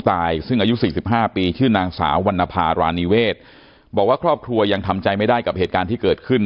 ซึ่งอายุสี่สิบห้าปีชื่อนางสาววรรณภารานิเวศบอกว่าครอบครัวยังทำใจไม่ได้กับเหตุการณ์ที่เกิดขึ้น